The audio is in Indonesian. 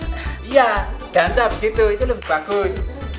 iya jangan sampai begitu itu lebih bagus